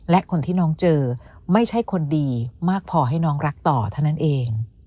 และคนที่น้องเจอไม่ใช่คนดีมากพอให้น้องรักต่อเท่านั้นเอง